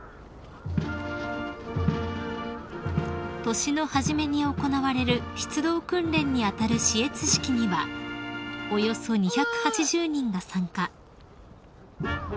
［年の初めに行われる出動訓練に当たる視閲式にはおよそ２８０人が参加］